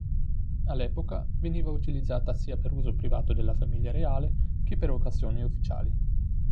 All'epoca veniva utilizzata sia per uso privato della famiglia reale che per occasioni ufficiali.